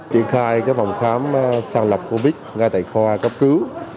triển khai phòng khám sàng lập covid một mươi chín ngay tại khoa cấp cứu